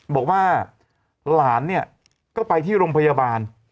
บอกว่าหลานเนี่ยก็ไปที่โรงพยาบาล